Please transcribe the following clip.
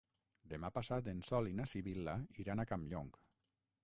Demà passat en Sol i na Sibil·la iran a Campllong.